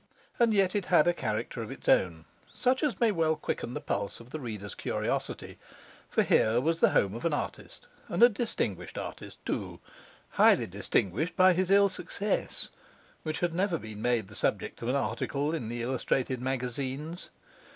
And yet it had a character of its own, such as may well quicken the pulse of the reader's curiosity. For here was the home of an artist and a distinguished artist too, highly distinguished by his ill success which had never been made the subject of an article in the illustrated magazines.